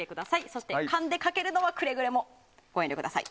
そして、勘でかけるのはくれぐれもおやめください。